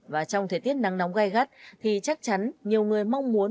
và trong thời tiết nắng nóng gai gắt thì chắc chắn nhiều người mong muốn